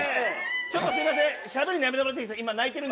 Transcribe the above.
ちょっとすいません。